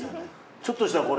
ちょっとしたこれ。